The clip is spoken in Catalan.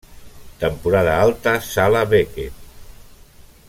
Temporada Alta, Sala Beckett.